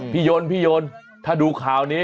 พี่ยนต์ถ้าดูข่าวนี้